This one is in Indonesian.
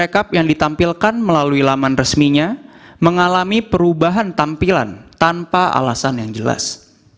rekap yang ditampilkan melalui laman resminya mengalami perubahan tampilan tanpa alasan yang jelas